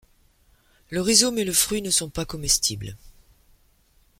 Le rhizome et le fruit ne sont pas comestibles.